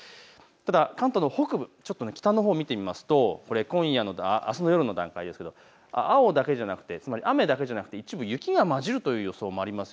ただ関東の北部、ちょっと北のほうを見てみますとこれ、あすの夜の段階ですが青だけじゃなくて、つまり雨だけじゃなくて雪がまじるという予想もあります。